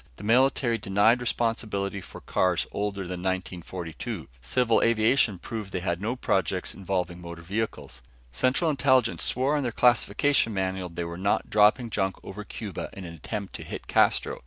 The military denied responsibility for cars older than 1942. Civil aviation proved they had no projects involving motor vehicles. Central Intelligence swore on their classification manual they were not dropping junk over Cuba in an attempt to hit Castro.